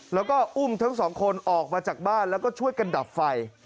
แล้วก็อุ้มทั้งสองคนออกมาจากบ้านแล้วก็ช่วยกันดับไฟ